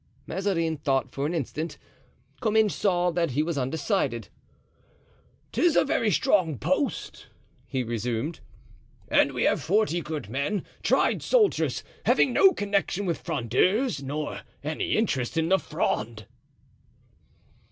Mazarin thought for an instant. Comminges saw that he was undecided. "'Tis a very strong post," he resumed, "and we have forty good men, tried soldiers, having no connection with Frondeurs nor any interest in the Fronde."